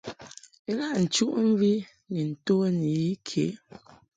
Ilaʼ nchuʼmvi ni nto ni yi ke.